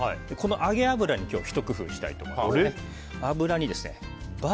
揚げ油に今日はひと工夫したいと思います。